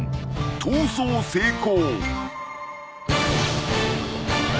［逃走成功！］